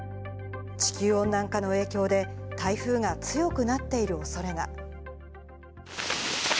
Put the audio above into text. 地球温暖化の影響で、台風が強くなっているおそれが。